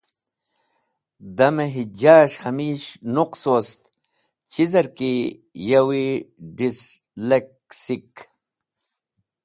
Damẽ hijas̃h hamish nuqs wost chizẽr ki yawi d̃islẽksik.